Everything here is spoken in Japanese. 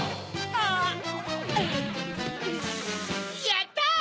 やった！